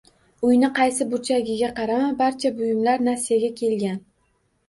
Uyni qaysi burchagiga qarama, barcha buyumlar nasiyaga kelgan